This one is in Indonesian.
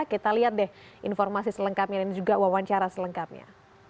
kita lihat deh informasi selengkapnya dan juga wawancara selengkapnya